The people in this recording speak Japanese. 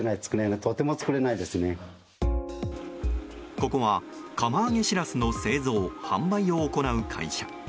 ここは釜揚げシラスの製造・販売を行う会社。